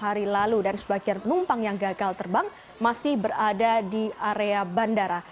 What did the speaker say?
sejak protes dilakukan pada lima hari lalu dan sebagian penumpang yang gagal terbang masih berada di area bandara